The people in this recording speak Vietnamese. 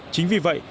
chính vì vậy